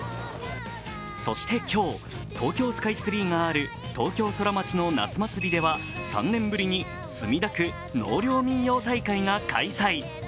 そして今日、東京スカイツリーがある東京ソラマチの夏まつりでは３年ぶりに墨田区納涼民踊大会が開催。